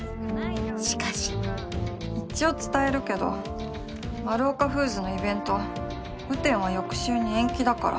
しかし一応伝えるけどマルオカフーズのイベント雨天は翌週に延期だから。